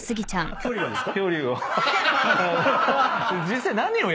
距離がですか？